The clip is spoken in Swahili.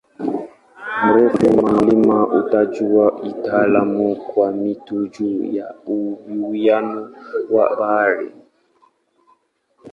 Urefu wa mlima hutajwa kitaalamu kwa "mita juu ya uwiano wa bahari".